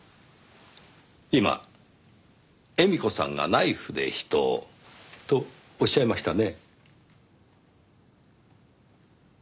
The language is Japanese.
今「絵美子さんがナイフで人を」とおっしゃいましたね？